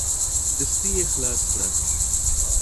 دستي یې خلاص کړه.